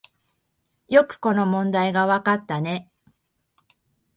よくこの問題がわかったね